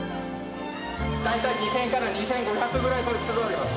大体２０００から２５００ぐらい粒あります。